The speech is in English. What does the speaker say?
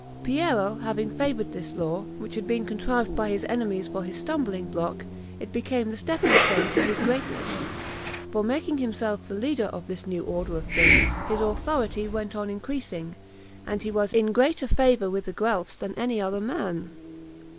Piero having favored this law, which had been contrived by his enemies for his stumbling block, it became the stepping stone to his greatness; for, making himself the leader of this new order of things, his authority went on increasing, and he was in greater favor with the Guelphs than any other man.